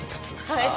はい。